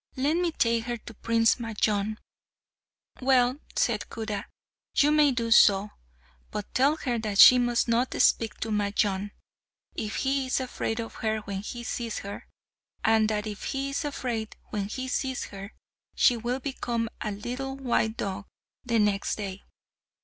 Let me take her to Prince Majnun." "Well," said Khuda, "you may do so; but tell her that she must not speak to Majnun if he is afraid of her when he sees her; and that if he is afraid when he sees her, she will become a little white dog the next day.